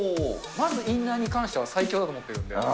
まずインナーに関しては、最強だと思ってるんで。